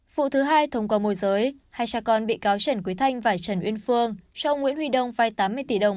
vụ thứ hai thông qua môi giới hai cha con bị cáo trần quý thanh và trần uyên phương cho ông nguyễn huy đông vai tám mươi tỷ đồng